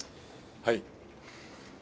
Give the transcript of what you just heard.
はい。